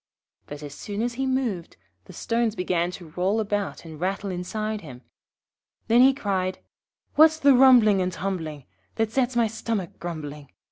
But as soon as he moved the stones began to roll about and rattle inside him. Then he cried 'What's the rumbling and tumbling That sets my stomach grumbling?